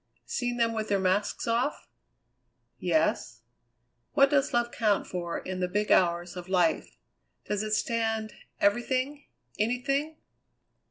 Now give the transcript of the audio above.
"Seen them with their masks off?" "Yes." "What does love count for in the big hours of life? Does it stand everything, anything?"